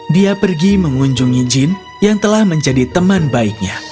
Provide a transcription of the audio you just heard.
dia pergi mengunjungi jin yang telah menjadi teman baiknya